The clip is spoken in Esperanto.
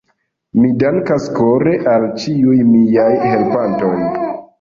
Mi dankas kore al ĉiuj miaj helpantoj.